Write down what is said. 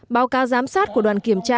báo cáo giám sát của đoàn kiểm tra